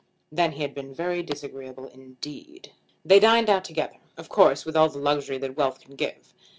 Then he had been very disagreeable indeed. They dined out together, of course with all the luxury that wealth can give.